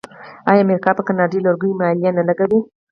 آیا امریکا پر کاناډایی لرګیو مالیه نه لګوي؟